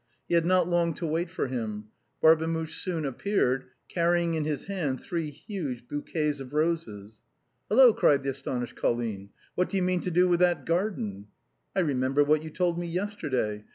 He had not long to wait for him. Barbemuche soon appeared, carrying in his hand three huge bouquets of roses. "Hello!" cried the astonished Colline; "what do you mean to do with that garden ?"" I remembered what you told me yesterday.